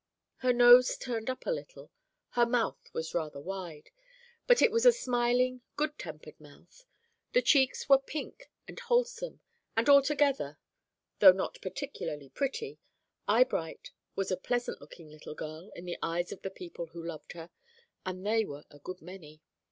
Her nose turned up a little; her mouth was rather wide, but it was a smiling, good tempered mouth; the cheeks were pink and wholesome, and altogether, though not particularly pretty, Eyebright was a pleasant looking little girl in the eyes of the people who loved her, and they were a good many.